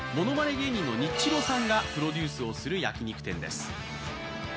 芸人のニッチローさんがプロデュースする焼肉店です。